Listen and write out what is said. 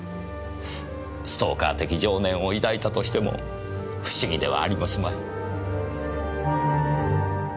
ストーカー的情念を抱いたとしても不思議ではありますまい。